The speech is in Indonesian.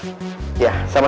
terima kasih pak